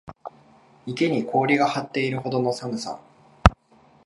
池に氷が張っているほどの寒さ